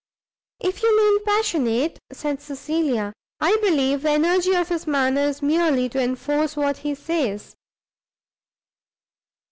"If you mean passionate," said Cecilia, "I believe the energy of his manner is merely to enforce what he says."